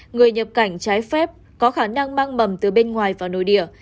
người nhập cảnh trái phép có khả năng mang mầm từ bên ngoài vào nội địa